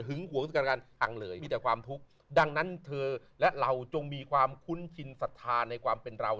ห่วงสุดการอังเลยมีแต่ความทุกข์ดังนั้นเธอและเราจงมีความคุ้นชินศรัทธาในความเป็นเรา